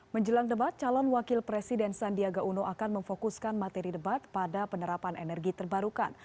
menjelang debat calon wakil presiden sandiaga uno akan memfokuskan materi debat pada penerapan energi terbarukan